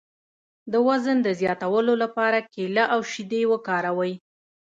د وزن د زیاتولو لپاره کیله او شیدې وکاروئ